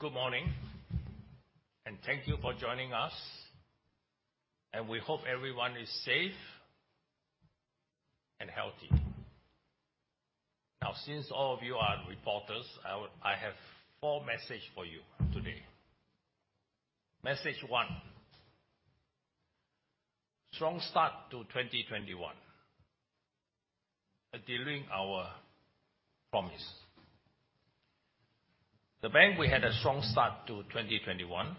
Good morning, thank you for joining us, we hope everyone is safe and healthy. Since all of you are reporters, I have four message for you today. Message one, strong start to 2021, delivering our promise. We had a strong start to 2021.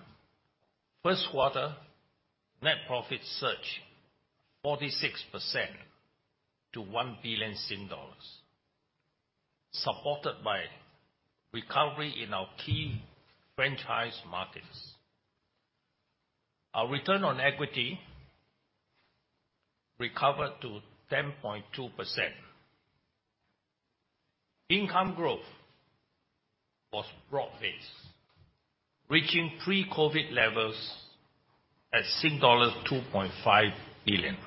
First quarter net profit surged 46% to SGD 1 billion, supported by recovery in our key franchise markets. Our return on equity recovered to 10.2%. Income growth was broad-based, reaching pre-COVID levels at SGD 2.5 billion.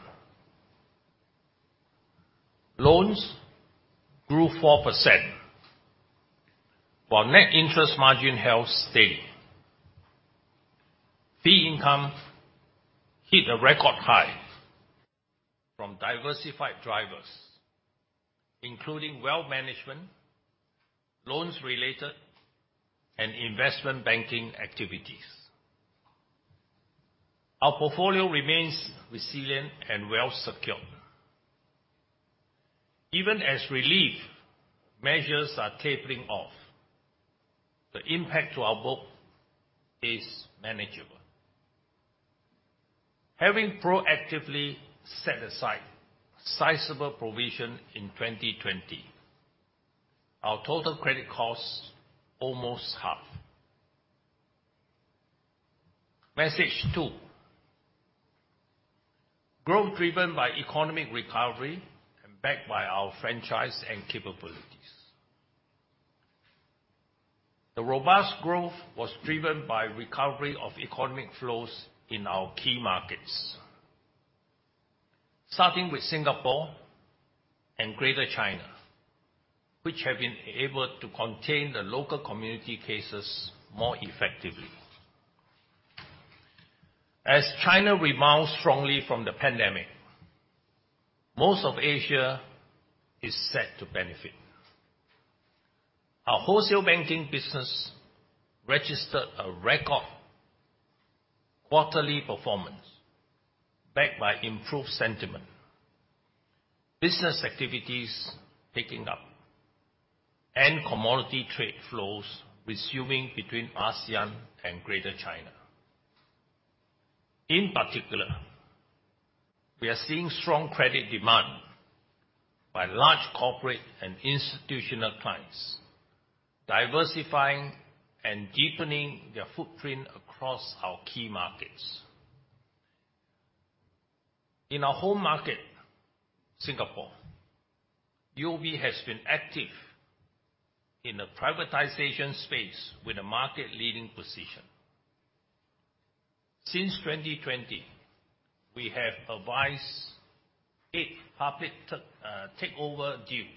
Loans grew 4%, while net interest margin held steady. Fee income hit a record high from diversified drivers, including wealth management, loans-related, and investment banking activities. Our portfolio remains resilient and well-secured. Even as relief measures are tapering off, the impact to our book is manageable. Having proactively set aside sizable provision in 2020, our total credit costs almost half. Message two, growth driven by economic recovery and backed by our franchise and capabilities. The robust growth was driven by recovery of economic flows in our key markets. Starting with Singapore and Greater China, which have been able to contain the local community cases more effectively. As China rebounds strongly from the pandemic, most of Asia is set to benefit. Our wholesale banking business registered a record quarterly performance backed by improved sentiment, business activities picking up, and commodity trade flows resuming between ASEAN and Greater China. In particular, we are seeing strong credit demand by large corporate and institutional clients, diversifying and deepening their footprint across our key markets. In our home market, Singapore, UOB has been active in the privatization space with a market-leading position. Since 2020, we have advised 8 public takeover deals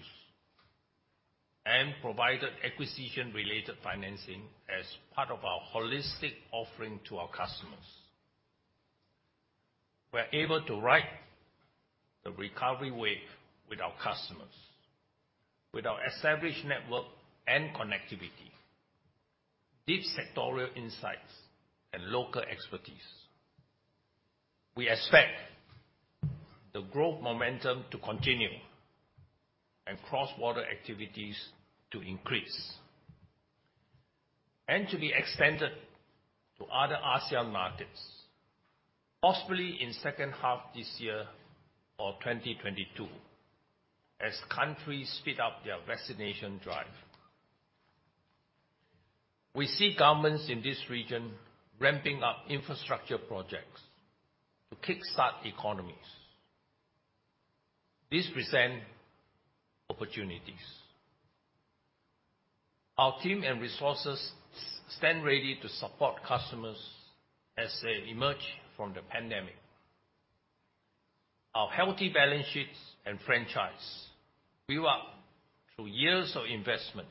and provided acquisition-related financing as part of our holistic offering to our customers. We're able to ride the recovery wave with our customers with our established network and connectivity, deep sectorial insights, and local expertise. We expect the growth momentum to continue and cross-border activities to increase and to be extended to other ASEAN markets, possibly in second half this year or 2022 as countries speed up their vaccination drive. We see governments in this region ramping up infrastructure projects to kickstart economies. These present opportunities. Our team and resources stand ready to support customers as they emerge from the pandemic. Our healthy balance sheets and franchise, built up through years of investment,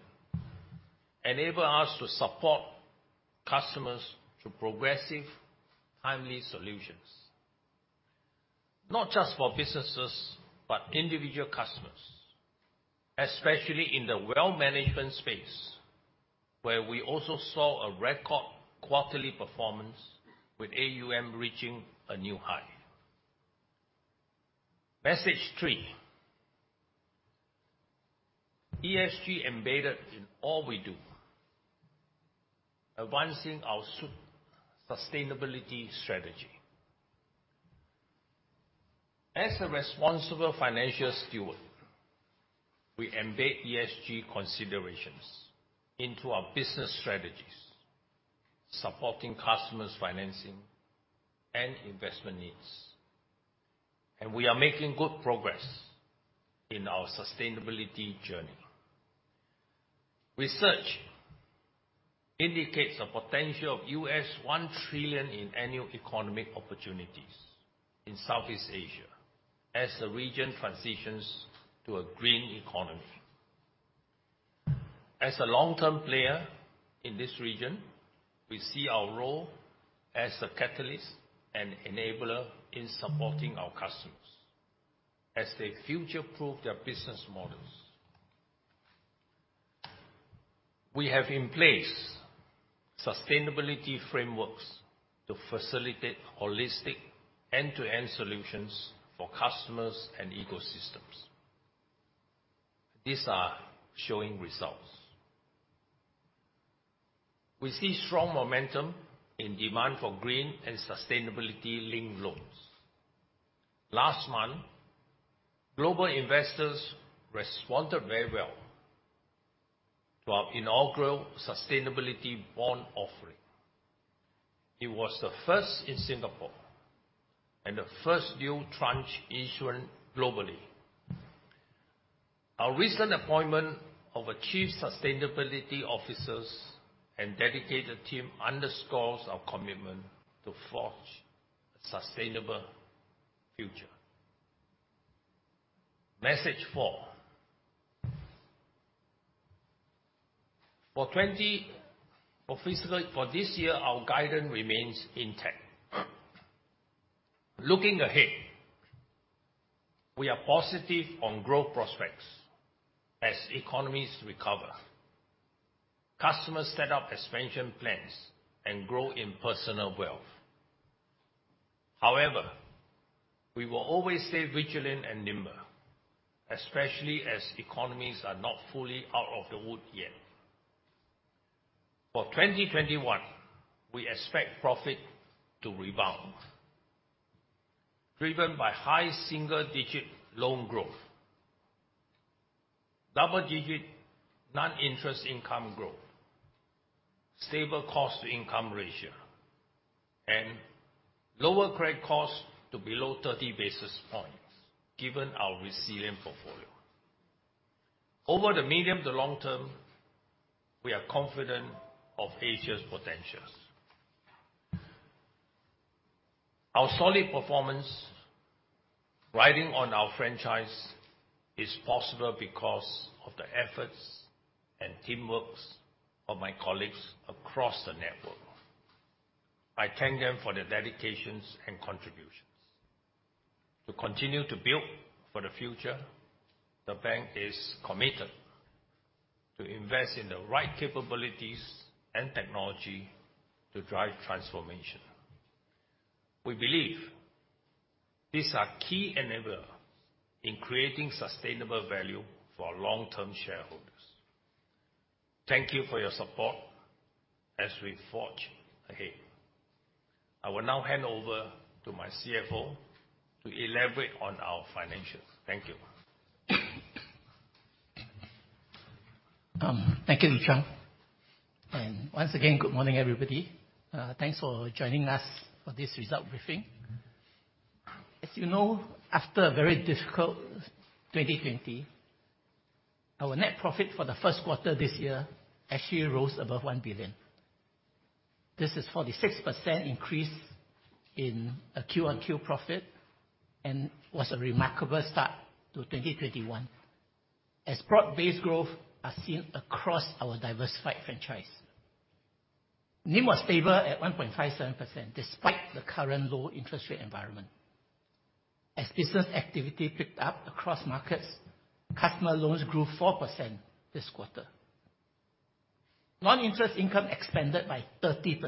enable us to support customers through progressive, timely solutions, not just for businesses, but individual customers, especially in the wealth management space, where we also saw a record quarterly performance with AUM reaching a new high. Message three, ESG embedded in all we do, advancing our sustainability strategy. As a responsible financial steward, we embed ESG considerations into our business strategies, supporting customers' financing and investment needs. We are making good progress in our sustainability journey. We searched indicates a potential of $1 trillion in annual economic opportunities in Southeast Asia as the region transitions to a green economy. As a long-term player in this region, we see our role as a catalyst and enabler in supporting our customers as they future-proof their business models. We have in place sustainability frameworks to facilitate holistic end-to-end solutions for customers and ecosystems. These are showing results. We see strong momentum in demand for green and sustainability linked loans. Last month, global investors responded very well to our inaugural sustainability bond offering. It was the first in Singapore and the first new tranche issuance globally. Our recent appointment of a chief sustainability officer and dedicated team underscores our commitment to forge a sustainable future. Message four. For this year, our guidance remains intact. Looking ahead, we are positive on growth prospects as economies recover, customers set up expansion plans, and grow in personal wealth. However, we will always stay vigilant and nimble, especially as economies are not fully out of the wood yet. For 2021, we expect profit to rebound, driven by high single-digit loan growth, double-digit non-interest income growth, stable cost-to-income ratio, and lower credit costs to below 30 basis points given our resilient portfolio. Over the medium to long term, we are confident of Asia's potentials. Our solid performance, riding on our franchise, is possible because of the efforts and teamwork of my colleagues across the network. I thank them for their dedications and contributions. To continue to build for the future, the bank is committed to invest in the right capabilities and technology to drive transformation. We believe these are key enablers in creating sustainable value for our long-term shareholders. Thank you for your support as we forge ahead. I will now hand over to my CFO to elaborate on our financials. Thank you. Thank you, Yee-Chong. Once again, good morning, everybody. Thanks for joining us for this result briefing. As you know, after a very difficult 2020, our net profit for the first quarter this year actually rose above 1 billion. This is 46% increase in a q-o-q profit, and was a remarkable start to 2021 as broad-based growth are seen across our diversified franchise. NIM was stable at 1.57% despite the current low interest rate environment. As business activity picked up across markets, customer loans grew 4% this quarter. Non-interest income expanded by 30%,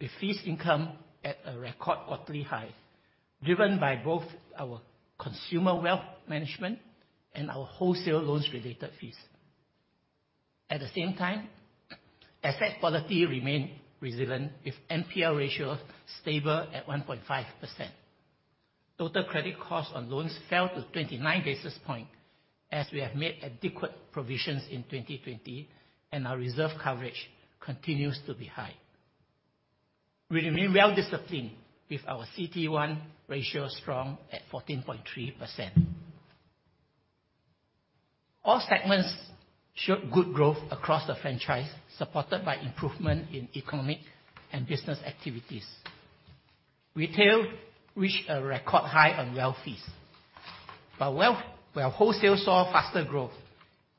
with fees income at a record quarterly high, driven by both our consumer wealth management and our wholesale loans-related fees. At the same time, asset quality remained resilient, with NPL ratio stable at 1.5%. Total credit costs on loans fell to 29 basis points as we have made adequate provisions in 2020, and our reserve coverage continues to be high. We remain well-disciplined with our CET1 ratio strong at 14.3%. All segments showed good growth across the franchise, supported by improvement in economic and business activities. Retail reached a record high on wealth fees. Wealth where wholesale saw faster growth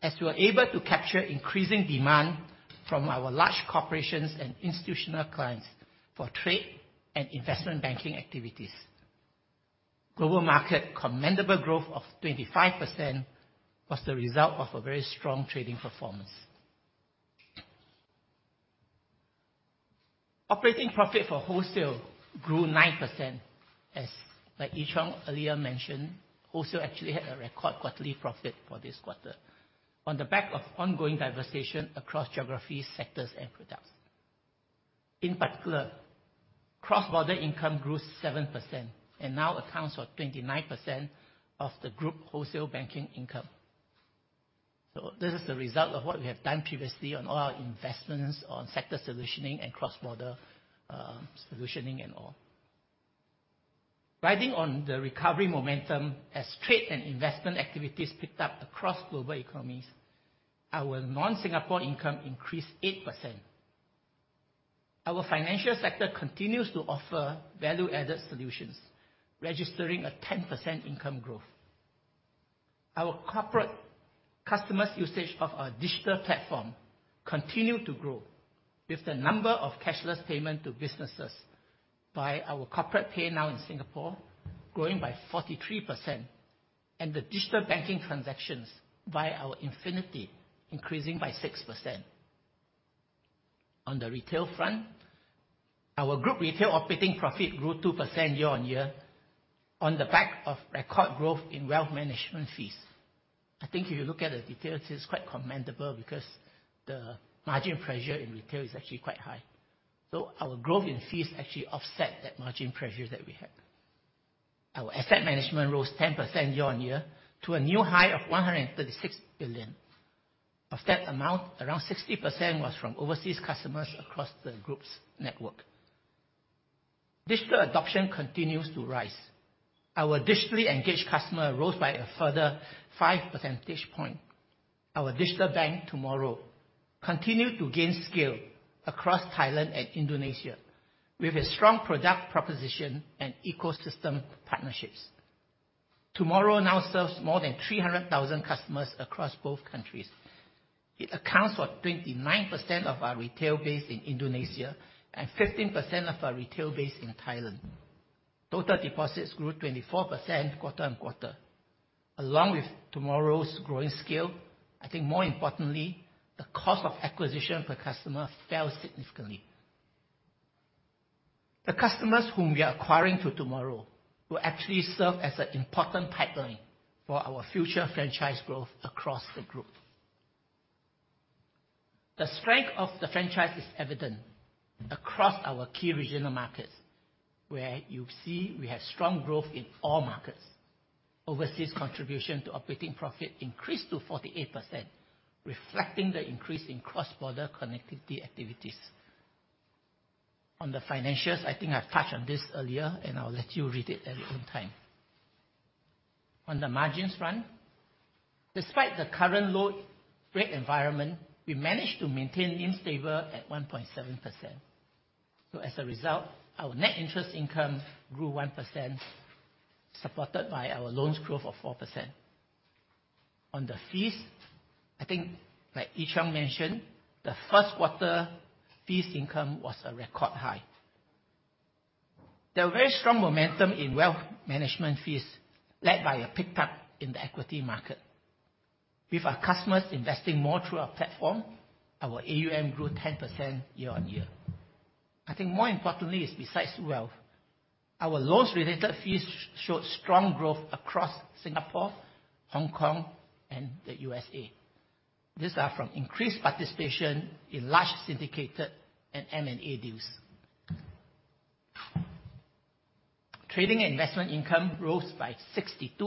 as we were able to capture increasing demand from our large corporations and institutional clients for trade and investment banking activities. Global market commendable growth of 25% was the result of a very strong trading performance. Operating profit for wholesale grew 9% as, like Yee-Chong earlier mentioned, wholesale actually had a record quarterly profit for this quarter on the back of ongoing diversification across geographies, sectors, and products. In particular, cross-border income grew 7% and now accounts for 29% of the group wholesale banking income. This is the result of what we have done previously on all our investments on sector solutioning and cross-border solutioning and all. Riding on the recovery momentum as trade and investment activities picked up across global economies, our non-Singapore income increased 8%. Our financial sector continues to offer value-added solutions, registering a 10% income growth. Our corporate customers' usage of our digital platform continue to grow, with the number of cashless payment to businesses by our corporate PayNow in Singapore growing by 43%, and the digital banking transactions via our Infinity increasing by 6%. On the retail front, our group retail operating profit grew 2% year-on-year on the back of record growth in wealth management fees. I think if you look at the details, it's quite commendable because the margin pressure in retail is actually quite high. Our growth in fees actually offset that margin pressure that we had. Our asset management rose 10% year-on-year to a new high of 136 billion. Of that amount, around 60% was from overseas customers across the group's network. Digital adoption continues to rise. Our digitally engaged customer rose by a further 5 percentage points. Our digital bank, TMRW, continue to gain scale across Thailand and Indonesia with a strong product proposition and ecosystem partnerships. TMRW now serves more than 300,000 customers across both countries. It accounts for 29% of our retail base in Indonesia and 15% of our retail base in Thailand. Total deposits grew 24% quarter-on-quarter. Along with TMRW's growing scale, I think more importantly, the cost of acquisition per customer fell significantly. The customers whom we are acquiring through TMRW will actually serve as an important pipeline for our future franchise growth across the group. The strength of the franchise is evident across our key regional markets, where you see we have strong growth in all markets. Overseas contribution to operating profit increased to 48%, reflecting the increase in cross-border connectivity activities. On the financials, I think I've touched on this earlier, and I'll let you read it at your own time. On the margins front, despite the current low rate environment, we managed to maintain NIM stable at 1.7%. As a result, our net interest income grew 1%, supported by our loans growth of 4%. On the fees, I think like Yi Cheng mentioned, the first quarter fees income was a record high. There was very strong momentum in wealth management fees, led by a pick-up in the equity market. With our customers investing more through our platform, our AUM grew 10% year-on-year. I think more importantly is besides wealth, our loans-related fees showed strong growth across Singapore, Hong Kong, and the U.S.A. These are from increased participation in large syndicated and M&A deals. Trading investment income rose by 62%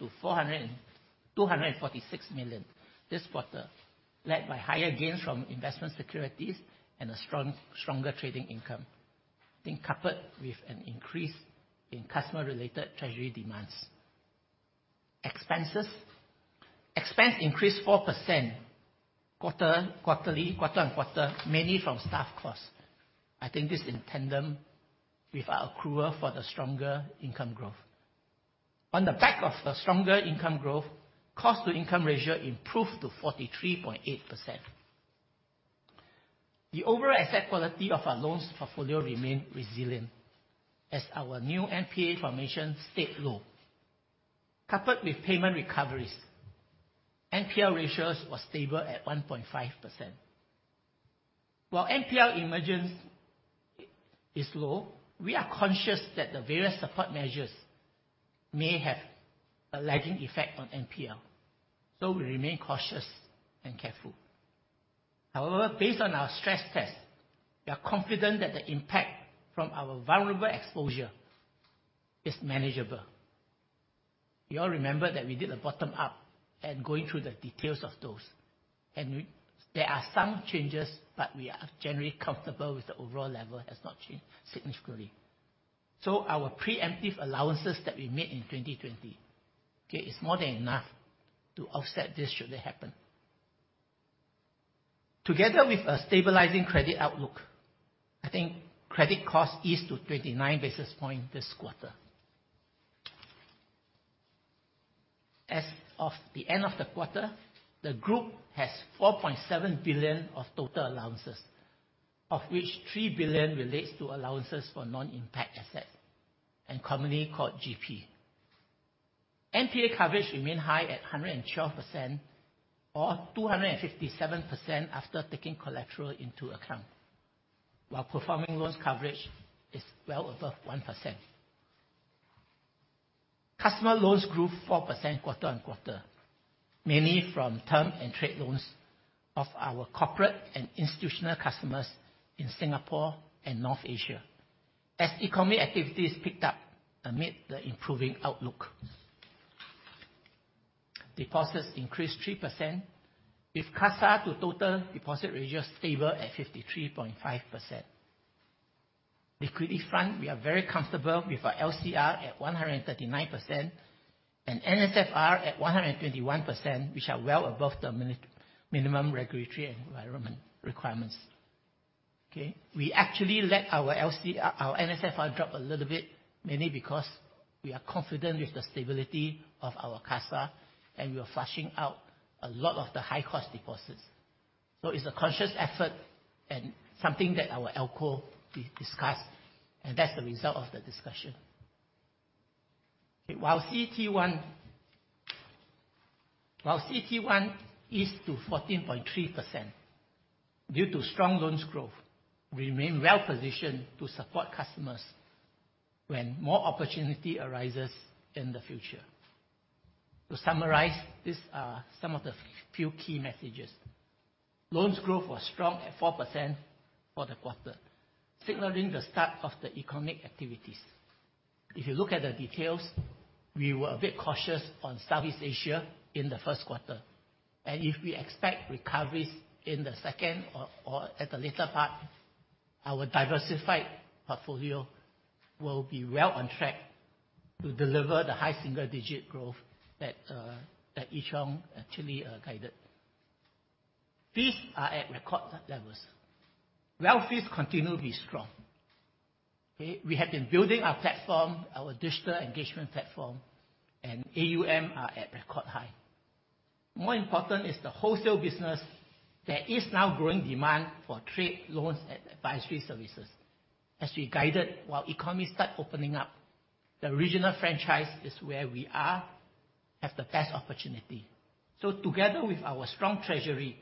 to 246 million this quarter, led by higher gains from investment securities and a stronger trading income, coupled with an increase in customer-related treasury demands. Expenses. Expense increased 4% quarter-on-quarter, mainly from staff costs. I think this is in tandem with our accrual for the stronger income growth. On the back of the stronger income growth, cost-to-income ratio improved to 43.8%. The overall asset quality of our loans portfolio remained resilient as our new NPA formation stayed low. Coupled with payment recoveries, NPL ratios were stable at 1.5%. While NPL emergence is low, we are conscious that the various support measures may have a lagging effect on NPL, so we remain cautious and careful. However, based on our stress test, we are confident that the impact from our vulnerable exposure is manageable. You all remember that we did a bottom up and going through the details of those, and there are some changes, but we are generally comfortable with the overall level has not changed significantly. Our preemptive allowances that we made in 2020, is more than enough to offset this should it happen. Together with a stabilizing credit outlook, I think credit cost eased to 29 basis points this quarter. As of the end of the quarter, the group has 4.7 billion of total allowances, of which 3 billion relates to allowances for non-impaired assets, and commonly called GP. NPA coverage remained high at 112%, or 257% after taking collateral into account. While performing loans coverage is well above 1%. Customer loans grew 4% quarter-on-quarter, mainly from term and trade loans of our corporate and institutional customers in Singapore and North Asia as economic activities picked up amid the improving outlook. Deposits increased 3%, with CASA to total deposit ratio stable at 53.5%. Liquidity front, we are very comfortable with our LCR at 139% and NSFR at 121%, which are well above the minimum regulatory environment requirements. We actually let our NSFR drop a little bit, mainly because we are confident with the stability of our CASA, and we are flushing out a lot of the high cost deposits. It's a conscious effort and something that our ALCO discussed, and that's the result of the discussion. While CET1 eased to 14.3% due to strong loans growth, we remain well-positioned to support customers when more opportunity arises in the future. To summarize, these are some of the few key messages. Loans growth was strong at 4% for the quarter, signaling the start of the economic activities. If you look at the details, we were a bit cautious on Southeast Asia in the first quarter. If we expect recoveries in the second or at the later part, our diversified portfolio will be well on track to deliver the high single-digit growth that Ee Cheong actually guided. Fees are at record levels. Wealth fees continue to be strong. We have been building our platform, our digital engagement platform, and AUM are at record high. More important is the wholesale business. There is now growing demand for trade loans and advisory services. As we guided, while economies start opening up, the regional franchise is where we are, have the best opportunity. Together with our strong treasury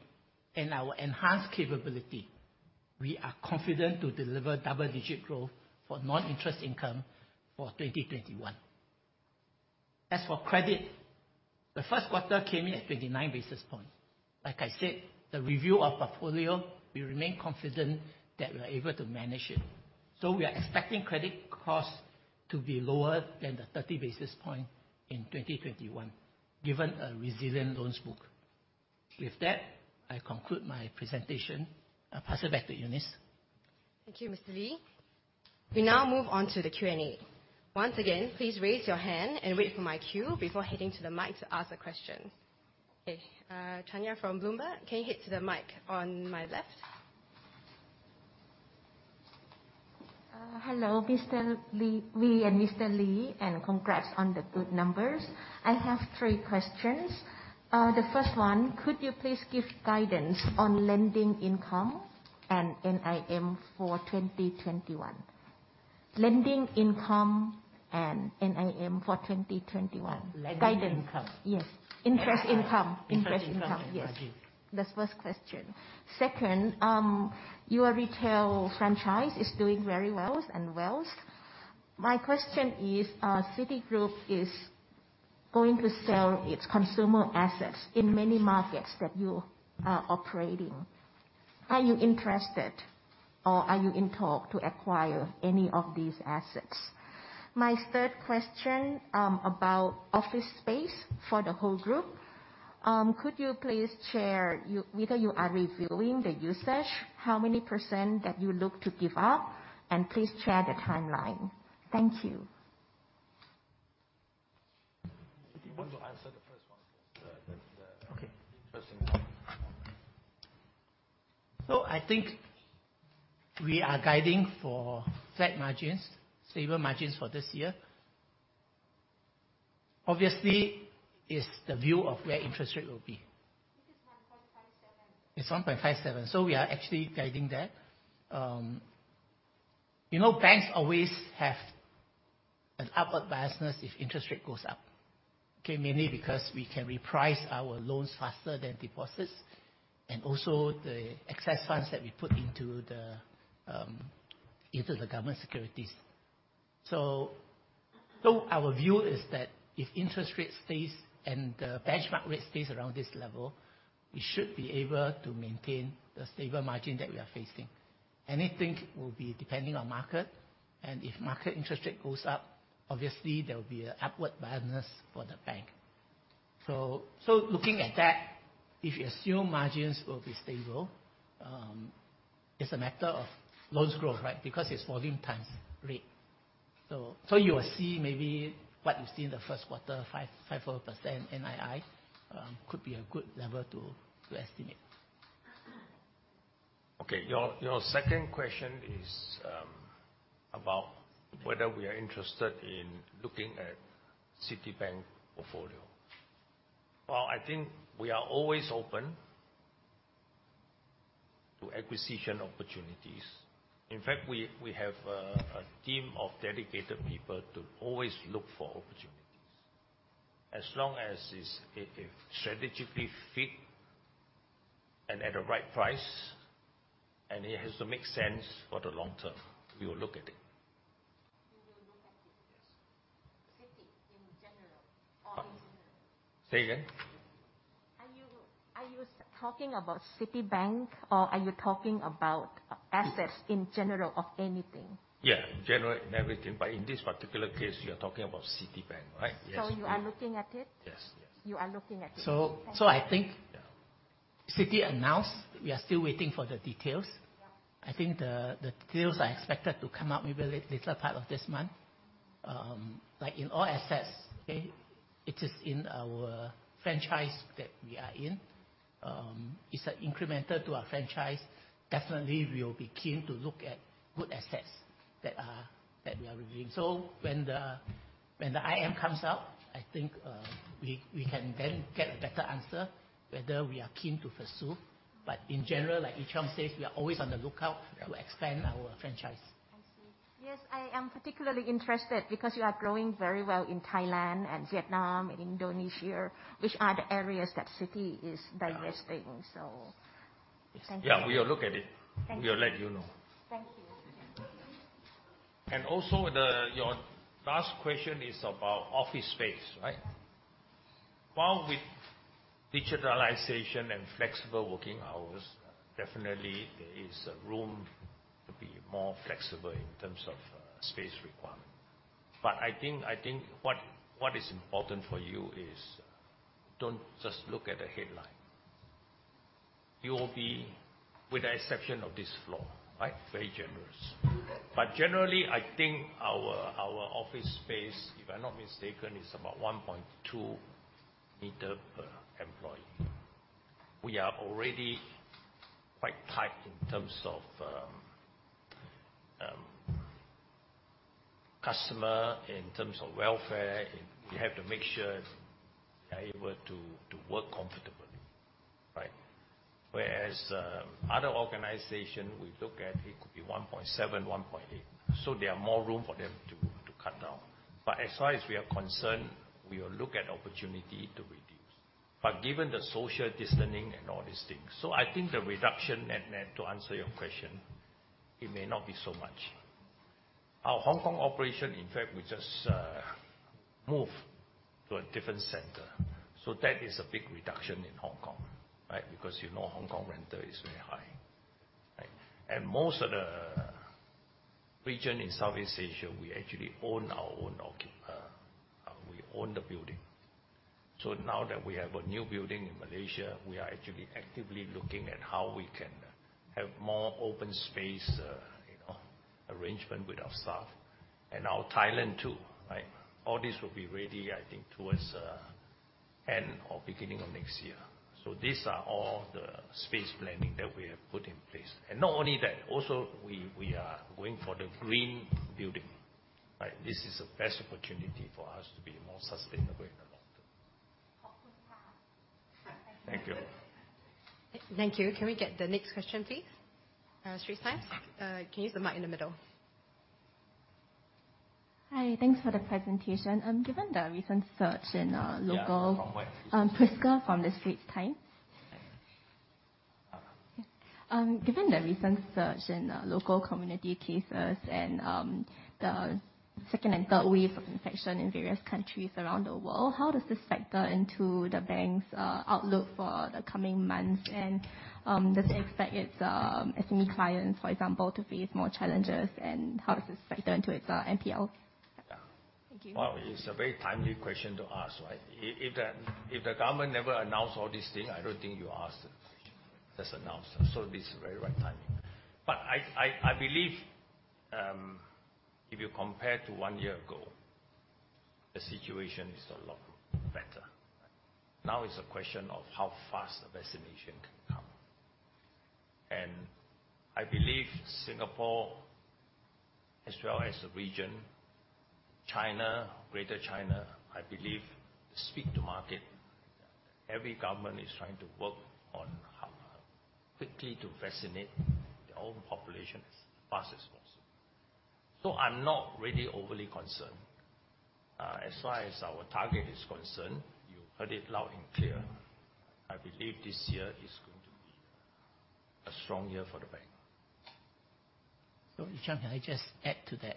and our enhanced capability, we are confident to deliver double-digit growth for non-interest income for 2021. As for credit, the first quarter came in at 29 basis points. Like I said, the review of portfolio, we remain confident that we are able to manage it. We are expecting credit costs to be lower than the 30 basis point in 2021, given a resilient loans book. With that, I conclude my presentation. I'll pass it back to Eunice. Thank you, Mr. Lee. We now move on to the Q&A. Once again, please raise your hand and wait for my cue before heading to the mic to ask a question. Okay, Tanya from Bloomberg, can you head to the mic on my left? Hello, Mr. Lee and Mr. Li, congrats on the good numbers. I have three questions. The first one, could you please give guidance on lending income and NIM for 2021? Lending income and NIM for 2021. Lending income. Guidance. Yes. Interest income. Interest income. Got you. That's the first question. Second, your retail franchise is doing very well and wealth. My question is, Citigroup is going to sell its consumer assets in many markets that you are operating. Are you interested, or are you in talk to acquire any of these assets? My third question, about office space for the whole group. Could you please share whether you are reviewing the usage, how many % that you look to give up, and please share the timeline. Thank you. You want to answer the first one? Sure. Okay. I think we are guiding for flat margins, stable margins for this year. Obviously, it's the view of where interest rate will be. I think it's 1.57. It's 1.57, we are actually guiding that. Banks always have an upward bias if interest rate goes up, okay? Mainly because we can reprice our loans faster than deposits, and also the excess funds that we put into the government securities. Our view is that if interest rate stays and the benchmark rate stays around this level, we should be able to maintain the stable margin that we are facing. Anything will be depending on market. If market interest rate goes up, obviously there will be an upward bias for the bank. Looking at that, if you assume margins will be stable, it's a matter of loans growth, right? Because it's volume times rate. You will see maybe what you see in the first quarter, 5.4% NII, could be a good level to estimate. Okay, your second question is about whether we are interested in looking at Citibank portfolio. Well, I think we are always open to acquisition opportunities. In fact, we have a team of dedicated people to always look for opportunities. As long as it strategically fit and at the right price, and it has to make sense for the long term, we will look at it. You will look at it? Yes. Citi in general or in Singapore? Say again? Are you talking about Citibank or are you talking about assets in general of anything? Yeah, in general, in everything, but in this particular case, you're talking about Citibank, right? You are looking at it? Yes. You are looking at it. I think Citi announced, we are still waiting for the details. Yeah. I think the details are expected to come out maybe later part of this month. Like in all assets, okay, it is in our franchise that we are in. It's incremental to our franchise. Definitely, we will be keen to look at good assets that we are reviewing. When the IM comes out, I think we can then get a better answer whether we are keen to pursue. In general, like Yee-Chong says, we are always on the lookout to expand our franchise. I see. Yes, I am particularly interested because you are growing very well in Thailand and Vietnam and Indonesia, which are the areas that Citi is divesting. Thank you. Yeah, we will look at it. Thank you. We'll let you know. Thank you. Your last question is about office space, right? While with digitalization and flexible working hours, definitely there is room to be more flexible in terms of space requirement. I think what is important for you is, don't just look at the headline. You will be, with the exception of this floor, very generous. Generally, I think our office space, if I'm not mistaken, is about 1.2 meter per employee. We are already quite tight in terms of customer, in terms of welfare. We have to make sure they're able to work comfortably. Whereas other organizations we look at, it could be 1.7, 1.8. There is more room for them to cut down. As far as we are concerned, we will look at opportunity to reduce. Given the social distancing and all these things, I think the reduction net, to answer your question, it may not be so much. Our Hong Kong operation, in fact, we just moved to a different center. That is a big reduction in Hong Kong. Because, you know, Hong Kong rent there is very high. Most of the region in Southeast Asia, we actually own the building. Now that we have a new building in Malaysia, we are actually actively looking at how we can have more open space arrangement with our staff and our Thailand too. All this will be ready, I think, towards end or beginning of next year. These are all the space planning that we have put in place. Not only that, also we are going for the green building. This is the best opportunity for us to be more sustainable in the long term. Thank you. Thank you. Thank you. Can we get the next question, please? The Straits Times? Can you use the mic in the middle? Hi, thanks for the presentation. Given the recent surge in. Yeah, from. Prisca from The Straits Times. Thanks. Given the recent surge in local community cases and the second and third wave of infection in various countries around the world, how does this factor into the bank's outlook for the coming months? Does it expect its SME clients, for example, to face more challenges? How does this factor into its NPL? Thank you. Well, it's a very timely question to ask, right? If the government never announced all these things, I don't think you asked this question. Just announced. This is very right timing. I believe, if you compare to one year ago, the situation is a lot better. Now is a question of how fast the vaccination can come. I believe Singapore, as well as the region, China, Greater China, I believe, speak to market. Every government is trying to work on how quickly to vaccinate their own population as fast as possible. I'm not really overly concerned. As far as our target is concerned, you heard it loud and clear. I believe this year is going to be a strong year for the bank. Ee Cheong, can I just add to that?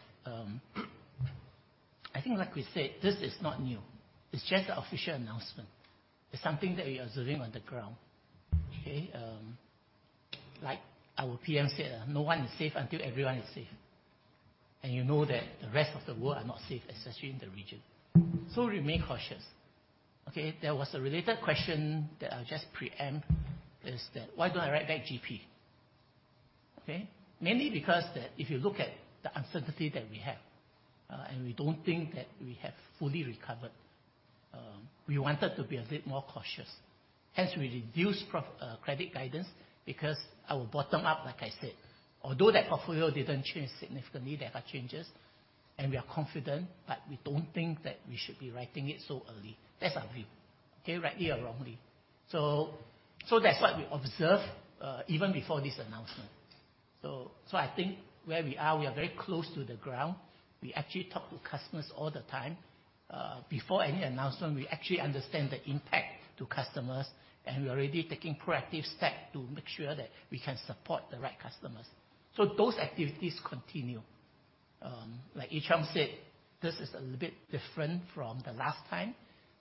I think like we said, this is not new. It's just an official announcement. It's something that we are observing on the ground. Okay. Like our PM said, "No one is safe until everyone is safe." You know that the rest of the world are not safe, especially in the region. Remain cautious. Okay. There was a related question that I'll just preempt, is that, why do I write back GP? Okay. Mainly because that if you look at the uncertainty that we have, and we don't think that we have fully recovered, we wanted to be a bit more cautious. Hence, we reduced credit guidance because our bottom-up, like I said, although that portfolio didn't change significantly, there are changes, and we are confident, but we don't think that we should be writing it so early. That's our view. Okay. Rightly or wrongly. That's what we observed even before this announcement. I think where we are, we are very close to the ground. We actually talk to customers all the time. Before any announcement, we actually understand the impact to customers, and we're already taking proactive steps to make sure that we can support the right customers. Those activities continue. Like Ee Cheong said, this is a little bit different from the last time.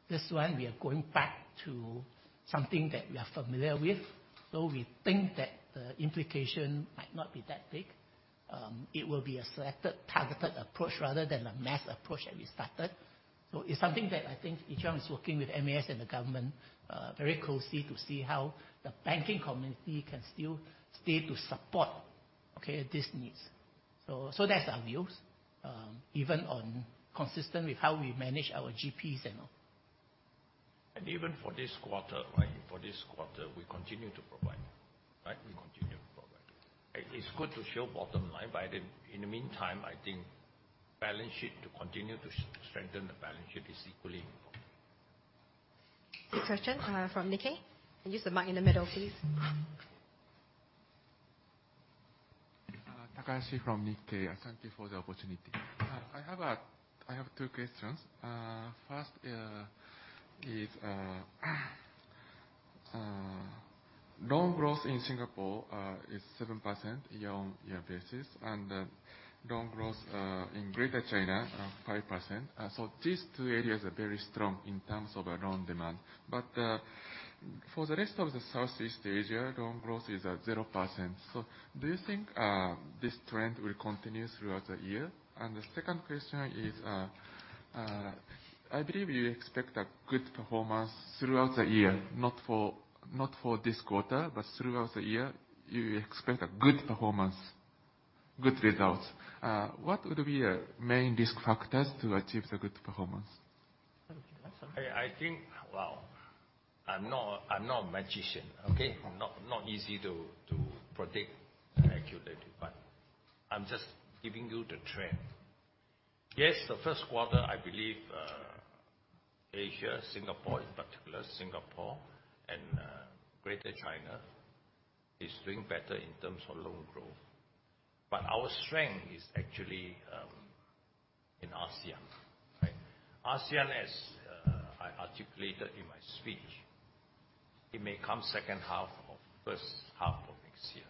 This one, we are going back to something that we are familiar with. We think that the implication might not be that big. It will be a selected, targeted approach rather than a mass approach that we started. It's something that I think Ee Cheong is working with MAS and the government very closely to see how the banking community can still stay to support these needs. That's our views, even on consistent with how we manage our GPs and all. Even for this quarter, we continue to provide. We continue to provide. It's good to show bottom line, but in the meantime, I think to continue to strengthen the balance sheet is equally important. Next question from Nikkei. Use the mic in the middle, please. Takashi from Nikkei. Thank you for the opportunity. I have two questions. First is, loan growth in Singapore is 7% year-on-year basis, and loan growth in Greater China, 5%. These two areas are very strong in terms of loan demand. For the rest of the Southeast Asia, loan growth is at 0%. Do you think this trend will continue throughout the year? The second question is, I believe you expect a good performance throughout the year, not for this quarter, but throughout the year, you expect a good performance, good results. What would be your main risk factors to achieve the good performance? Why don't you answer? I think, well, I'm not a magician. Okay? Sure. Not easy to predict accurately, I'm just giving you the trend. Yes, the first quarter, I believe Asia, Singapore in particular, Singapore and Greater China is doing better in terms of loan growth. Our strength is actually in ASEAN. ASEAN, as I articulated in my speech, it may come second half or first half of next year,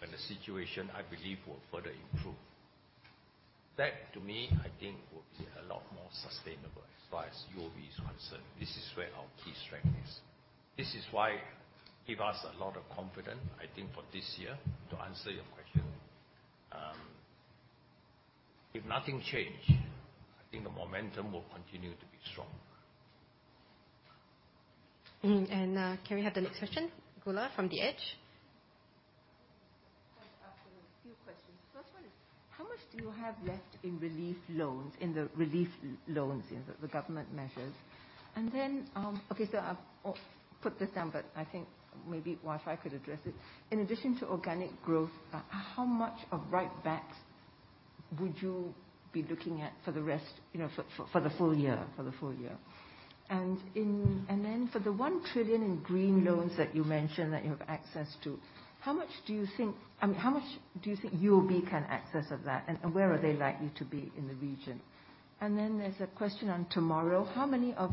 when the situation, I believe, will further improve. That, to me, I think will be a lot more sustainable as far as UOB is concerned. This is where our key strength is. This is why give us a lot of confidence, I think, for this year. To answer your question, if nothing change, I think the momentum will continue to be strong. Can we have the next question? Goola from The Edge? Just a few questions. First one is, how much do you have left in relief loans, the government measures? Okay, I'll put this down, but I think maybe Wai-Phu could address it. In addition to organic growth, how much of write-backs would you be looking at for the full year? For the $1 trillion in green loans that you mentioned that you have access to, how much do you think UOB can access of that, and where are they likely to be in the region? There's a question on TMRW. How many of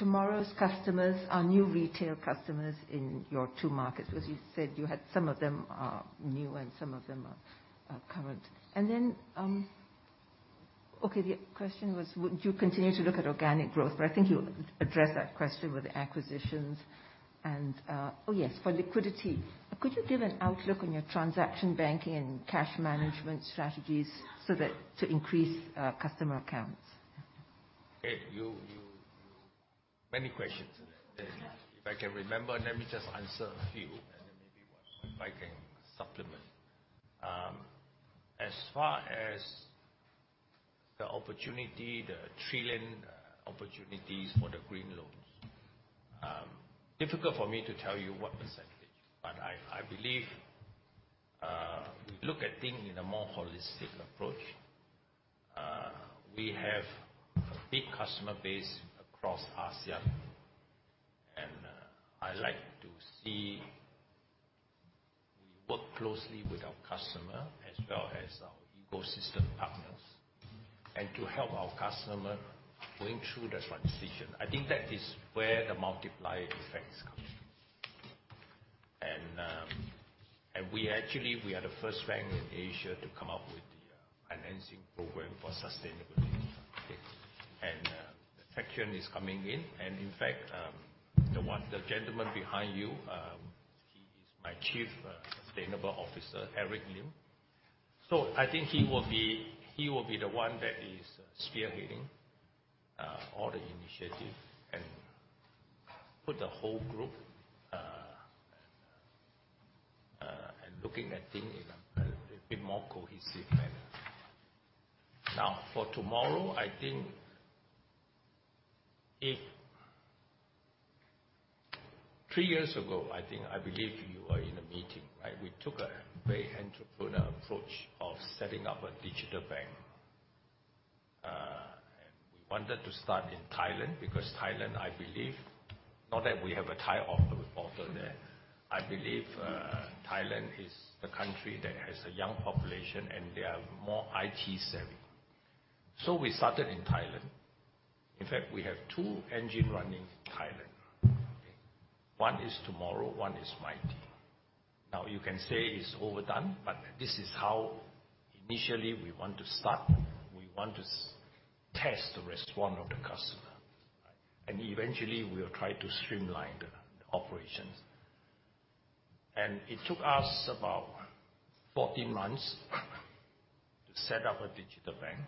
TMRW's customers are new retail customers in your two markets? Because you said you had some of them are new and some of them are current. Okay, the question was, would you continue to look at organic growth? I think you addressed that question with the acquisitions. Oh, yes, for liquidity, could you give an outlook on your transaction banking and cash management strategies to increase customer accounts? Okay. Many questions in there. Yes. If I can remember, let me just answer a few, and then maybe Wai-Phu can supplement. As far as the opportunity, the trillion opportunities for the green loans, difficult for me to tell you what %. I believe, we look at things in a more holistic approach. We have a big customer base across ASEAN. I like to see we work closely with our customer as well as our ecosystem partners, and to help our customer going through the transition. I think that is where the multiplier effects come in. Actually, we are the first bank in Asia to come up with the financing program for sustainability. The section is coming in. In fact, the gentleman behind you, he is my Chief Sustainability Officer, Eric Lim. I think he will be the one that is spearheading all the initiative and put the whole group and looking at things in a bit more cohesive manner. Now, for TMRW, I think, 3 years ago, I think, I believe you were in a meeting. We took a very entrepreneurial approach of setting up a digital bank. We wanted to start in Thailand because Thailand, I believe, not that we have a Thai author there. I believe Thailand is a country that has a young population, and they are more IT savvy. We started in Thailand. In fact, we have 2 engine running in Thailand. One is TMRW, one is Mighty. You can say it's overdone, but this is how initially we want to start. We want to test the response of the customer, and eventually we'll try to streamline the operations. It took us about 14 months to set up a digital bank.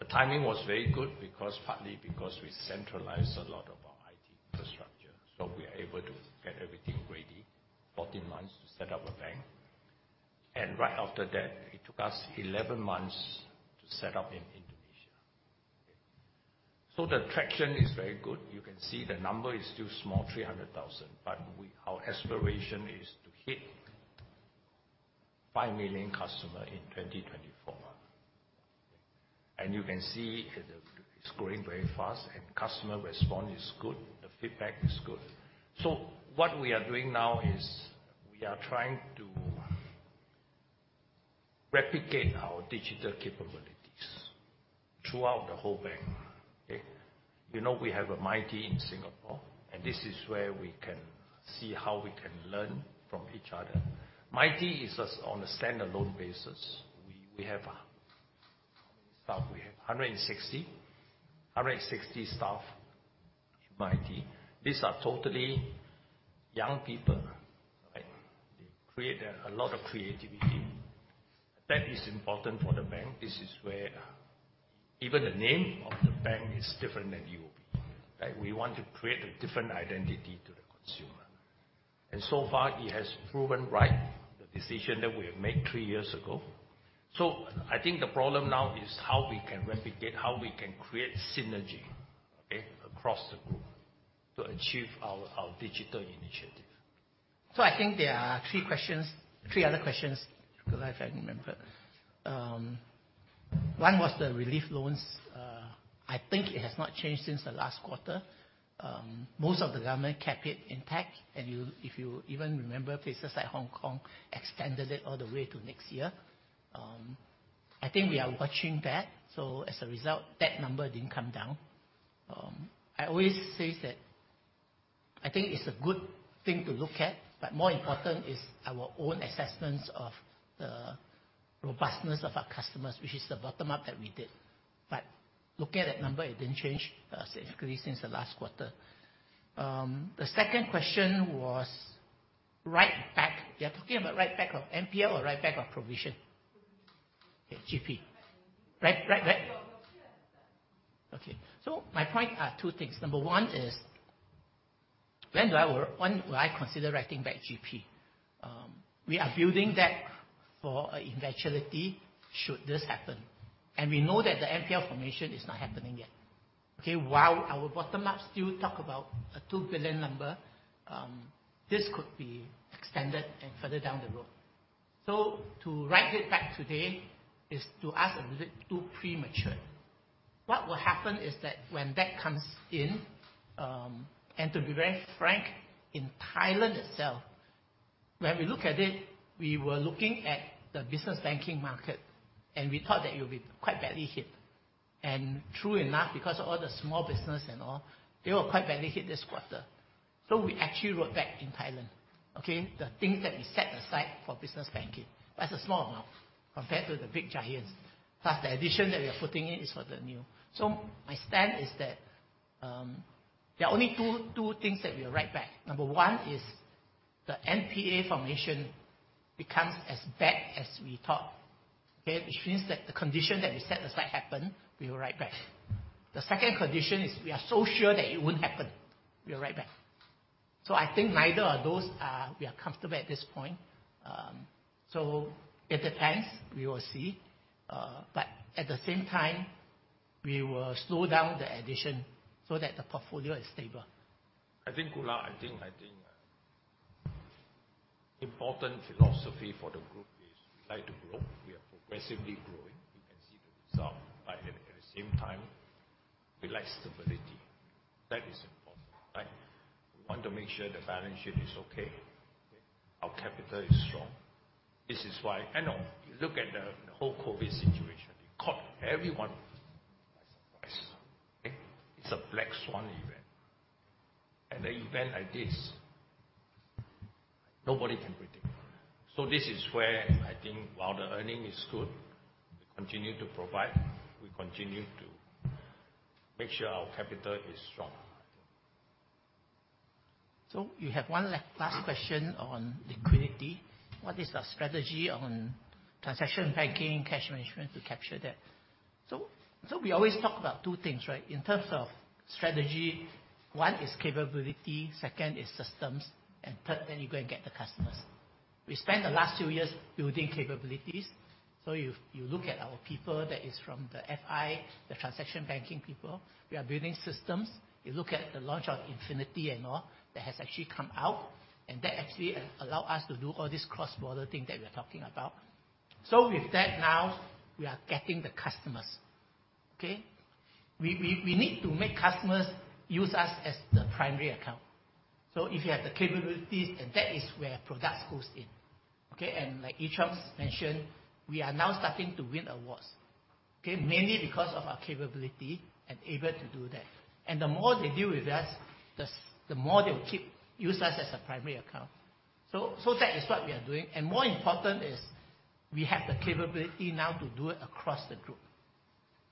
The timing was very good, partly because we centralized a lot of our IT infrastructure, so we are able to get everything ready, 14 months to set up a bank. Right after that, it took us 11 months to set up in Indonesia. The traction is very good. You can see the number is still small, 300,000. Our aspiration is to hit 5 million customers in 2024. You can see it's growing very fast, and customer response is good. The feedback is good. What we are doing now is we are trying to replicate our digital capabilities throughout the whole bank, okay? You know we have a Mighty in Singapore, and this is where we can see how we can learn from each other. Mighty is just on a standalone basis. We have how many staff? We have 160 staff in Mighty. These are totally young people. They create a lot of creativity. That is important for the bank. This is where even the name of the bank is different than UOB. We want to create a different identity to the consumer. So far, it has proven right, the decision that we have made three years ago. I think the problem now is how we can replicate, how we can create synergy, okay, across the group to achieve our digital initiative. I think there are three other questions, if I remember. One was the relief loans. I think it has not changed since the last quarter. Most of the government kept it intact, and if you even remember, places like Hong Kong extended it all the way to next year. I think we are watching that. As a result, that number didn't come down. I always say that I think it's a good thing to look at, but more important is our own assessments of the robustness of our customers, which is the bottom up that we did. Looking at that number, it didn't change significantly since the last quarter. The second question was write back. You're talking about write back of NPL or write back of provision? Provision, GP. No, your share of that. Okay, my point are two things. Number one is, when will I consider writing back GP? We are building that for eventuality, should this happen. We know that the NPL formation is not happening yet. Okay. While our bottom up still talk about a 2 billion number, this could be extended and further down the road. To write it back today is, to us, a little too premature. What will happen is that when that comes in, and to be very frank, in Thailand itself, when we look at it, we were looking at the business banking market, and we thought that it would be quite badly hit. True enough, because of all the small business and all, they were quite badly hit this quarter. We actually wrote back in Thailand, okay, the things that we set aside for business banking. It's a small amount compared to the big giants. Plus, the addition that we are putting in is for the new. My stand is that, there are only two things that we will write back. Number one is the NPA formation becomes as bad as we thought, okay. Which means that the condition that we set aside happened, we will write back. The second condition is we are so sure that it won't happen, we will write back. I think neither of those we are comfortable at this point. It depends. We will see. At the same time, we will slow down the addition so that the portfolio is stable. I think, Goola, I think important philosophy for the group is we like to grow. We are progressively growing. We can see the result. At the same time, we like stability. That is important. We want to make sure the balance sheet is okay, our capital is strong. This is why. I know. Look at the whole COVID situation. It caught everyone by surprise, okay? It's a black swan event. An event like this, nobody can predict. This is where I think while the earning is good, we continue to provide, we continue to make sure our capital is strong. We have one last question on liquidity. What is our strategy on transaction banking, cash management to capture that? We always talk about two things, right? In terms of strategy, one is capability, second is systems, and third, then you go and get the customers. We spent the last few years building capabilities. If you look at our people, that is from the FI, the transaction banking people, we are building systems. You look at the launch of Infinity and all, that has actually come out, and that actually allow us to do all this cross-border thing that we're talking about. With that now, we are getting the customers. Okay? We need to make customers use us as the primary account. If you have the capabilities, then that is where products goes in. Okay? Like Yee-Chong mentioned, we are now starting to win awards. Okay? Mainly because of our capability and able to do that. The more they deal with us, the more they'll keep use us as a primary account. That is what we are doing. More important is we have the capability now to do it across the group.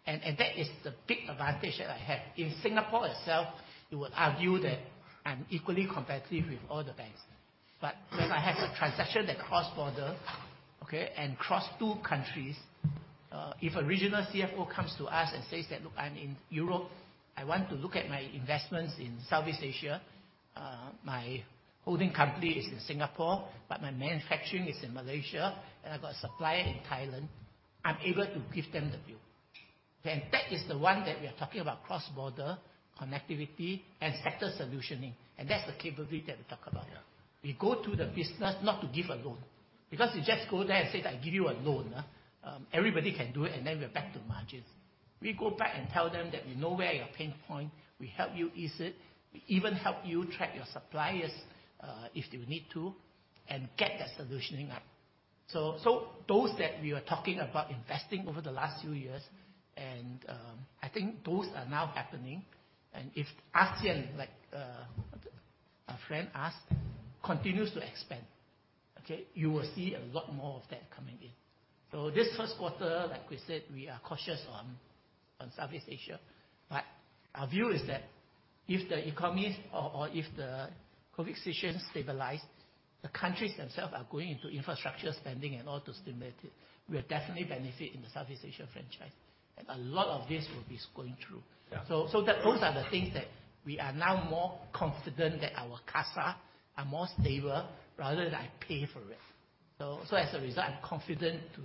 That is the big advantage that I have. In Singapore itself, you would argue that I'm equally competitive with other banks. When I have a transaction that cross border, okay, and cross two countries, if a regional CFO comes to us and says that, "Look, I'm in Europe, I want to look at my investments in Southeast Asia. My holding company is in Singapore, but my manufacturing is in Malaysia, and I've got a supplier in Thailand," I'm able to give them the view. That is the one that we are talking about cross-border connectivity and sector solutioning, that's the capability that we talk about. Yeah. We go to the business not to give a loan, because we just go there and say that, "I give you a loan." Everybody can do it, and then we are back to margins. We go back and tell them that we know where are your pain point, we help you ease it. We even help you track your suppliers, if they would need to, and get that solutioning up. Those that we are talking about investing over the last few years, and, I think those are now happening. If ASEAN, like a friend asked, continues to expand, okay, you will see a lot more of that coming in. This first quarter, like we said, we are cautious on Southeast Asia, our view is that if the economies or if the COVID situation stabilize, the countries themselves are going into infrastructure spending and all to stimulate it, we are definitely benefit in the Southeast Asia franchise, and a lot of this will be going through. Yeah. Those are the things that we are now more confident that our CASA are more stable rather than I pay for it. As a result, I'm confident to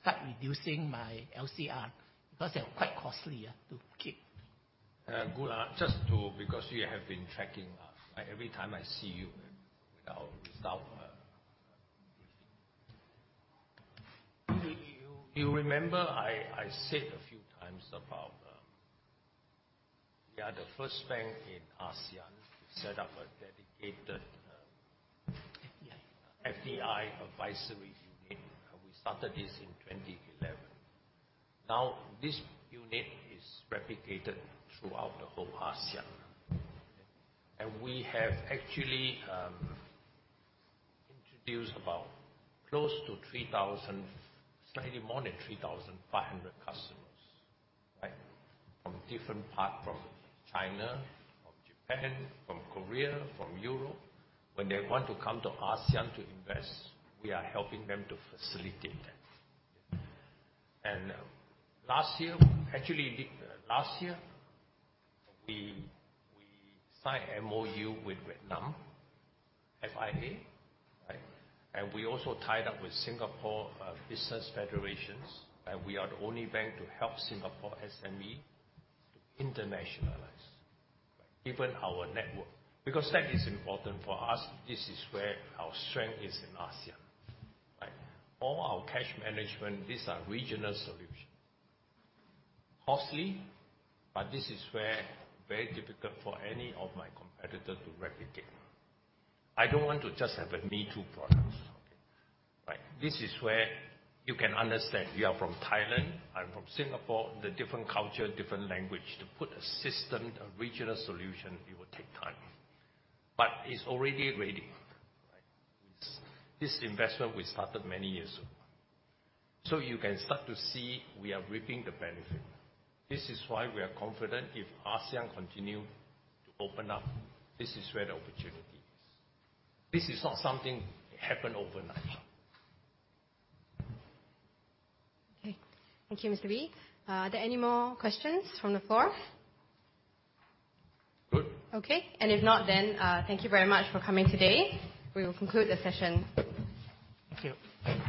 start reducing my LCR because they're quite costly, yeah, to keep. Good. Because you have been tracking every time I see you our result, you remember I said a few times about, we are the first bank in ASEAN to set up a dedicated FDI advisory unit. We started this in 2011. Now this unit is replicated throughout the whole ASEAN. We have actually introduced about close to 3,000, slightly more than 3,500 customers. From different parts, from China, from Japan, from Korea, from Europe. When they want to come to ASEAN to invest, we are helping them to facilitate that. Last year, actually last year, we signed MoU with Vietnam FIA. We also tied up with Singapore Business Federation, and we are the only bank to help Singapore SME to internationalize. Given our network. That is important for us. This is where our strength is in ASEAN. All our cash management, these are regional solution. Costly. This is where very difficult for any of my competitor to replicate. I don't want to just have a me-too product. Okay. Right. This is where you can understand, you are from Thailand, I'm from Singapore. The different culture, different language. To put a system, a regional solution, it will take time. It's already ready. Right. This investment we started many years ago. You can start to see we are reaping the benefit. This is why we are confident if ASEAN continue to open up, this is where the opportunity is. This is not something happened overnight. Okay. Thank you, Mr. Wee. Are there any more questions from the floor? Good. Okay. If not then, thank you very much for coming today. We will conclude the session. Thank you.